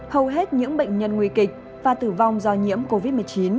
hầu hết những bệnh nhân nguy kịch và tử vong do nhiễm covid một mươi chín